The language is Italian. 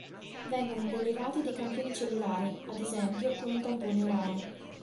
Vengono prelevati dei campioni cellulari, ad esempio con un tampone orale.